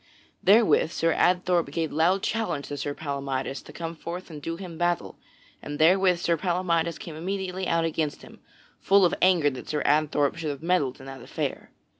Therewith Sir Adthorp gave loud challenge to Sir Palamydes to come forth and do him battle, and therewith Sir Palamydes came immediately out against him, full of anger that Sir Adthorp should have meddled in that affair.